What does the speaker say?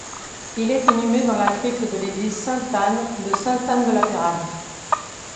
Il est inhumé dans la crypte de l'église Sainte-Anne de Sainte-Anne-de-la-Pérade.